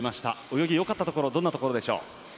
泳ぎ、よかったところどんなところでしょう？